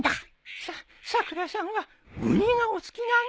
さっさくらさんはウニがお好きなんですね。